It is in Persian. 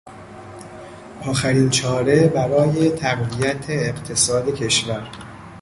آخرین چاره برای تقویت اقتصاد کشور